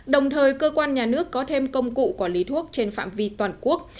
đồng thời cơ quan nhà nước có thêm công cụ quản lý thuốc trên phạm vi toàn quốc